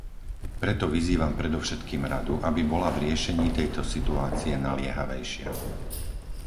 Preto vyzývam predovšetkým Radu, aby bola v riešení tejto situácie naliehavejšia.